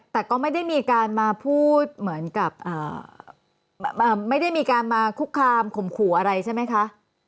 แต่ก็ไม่ได้มีการมาพูดเหมือนกับไม่ได้มีการมาคุกคามข่มขู่อะไรใช่ไหมคะ